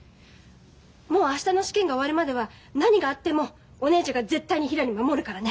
もう明日の試験が終わるまでは何があってもお姉ちゃんが絶対にひらり守るからね。